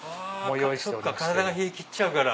そっか体が冷えきっちゃうから。